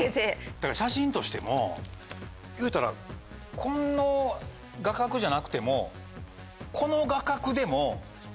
だから写真としてもいうたらこの画角じゃなくてもこの画角でも。